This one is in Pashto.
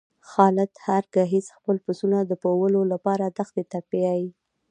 خالد هر ګیځ خپل پسونه د پوولو لپاره دښتی ته بیایی.